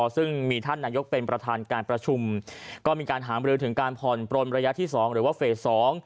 ซึ่งมีท่านนายกเป็นประธานการประชุมก็มีการหามรือถึงการผ่อนปลนระยะที่สองหรือว่าเฟสสอง